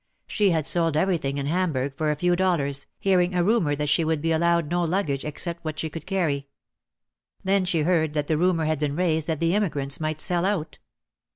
She had sold everything in Hamburg for a few dollars, hearing a rumour that she would be allowed no luggage except what she could carry. Then she heard that the rumour had been raised that the emigrants might sell out.